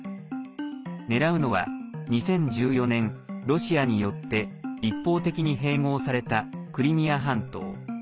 狙うのは２０１４年、ロシアによって一方的に併合されたクリミア半島。